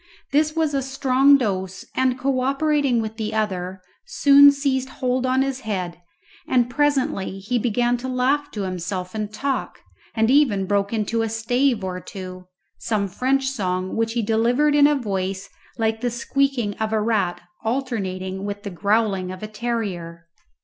This was a strong dose, and co operating with the other, soon seized hold on his head, and presently he began to laugh to himself and talk, and even broke into a stave or two some French song which he delivered in a voice like the squeaking of a rat alternating with the growling of a terrier.